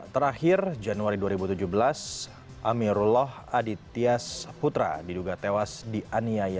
terakhir januari dua ribu tujuh belas amirullah adityas putra diduga tewas dianiaya